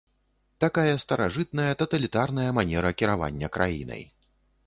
Такая старажытная таталітарная манера кіравання краінай.